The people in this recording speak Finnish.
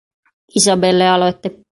Isabelle aloitti: